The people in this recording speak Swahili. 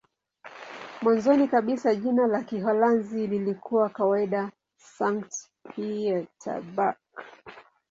Mwanzoni kabisa jina la Kiholanzi lilikuwa kawaida "Sankt-Pieterburch".